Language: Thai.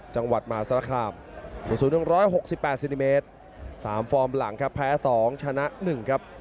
จังหวัดมหาสารคามสูง๑๖๘เซนติเมตร๓ฟอร์มหลังครับแพ้๒ชนะ๑ครับ